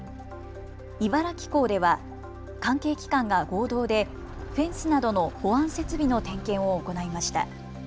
茨城港では関係機関が合同でフェンスなどの保安設備の点検を行いました。